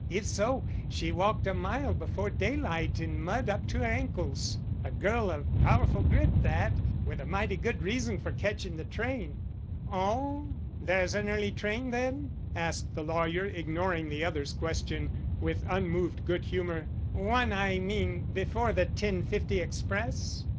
"If so, she walked a mile before daylight in mud up to her ankles. A girl of powerful grit that! with a mighty good reason for catching the train." "Oh! there's an early train then?" asked the lawyer, ignoring the other's question with unmoved good humor. "One, I mean, before the 10:50 express?"